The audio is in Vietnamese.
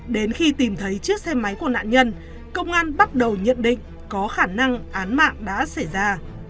đến khi tìm thấy chiếc xe máy của nạn nhân công an bắt đầu nhận định có khả năng án mạng đã xảy ra